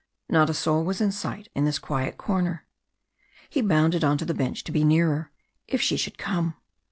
Not a soul was in sight in this quiet corner. He bounded on to the bench to be nearer if she should come.